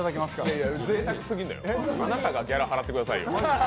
いやいや、ぜいたくすぎるのよ、あなたがギャラ払ってくださいよ。